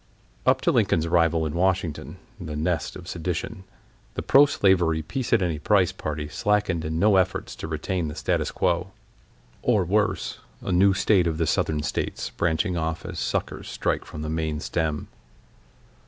Up to Lincoln's arrival in Washington, the nest of sedition, the pro slavery, peace at any price party slackened in no efforts to retain the statu quo, or worse, a new State of the Southern States branching off as suckers strike from the main stem.